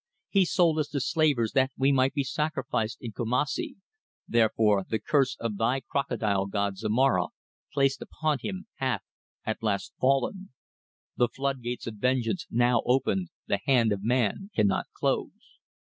He sold us to slavers that we might be sacrificed in Kumassi, therefore the curse of thy Crocodile god Zomara placed upon him hath at last fallen. The flood gates of vengeance now opened the hand of man cannot close."